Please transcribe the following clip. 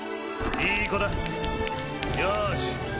いいコだよし。